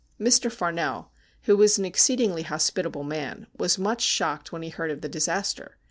Mr. Farnell, who was an exceedingly hospitable man, was much shocked when he heard of the disaster.